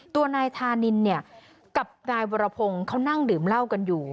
ตัวนายธานินเนี่ยกับนายวรพงศ์เขานั่งดื่มเหล้ากันอยู่